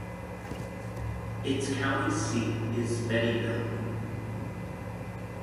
Its county seat is Beattyville.